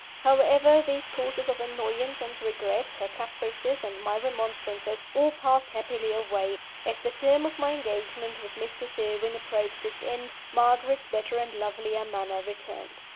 However, these causes of annoyance and regret her caprices, and my remonstrances all passed happily away, as the term of my engagement with Mr. Sherwin approached its end, Margaret's better and lovelier manner returned.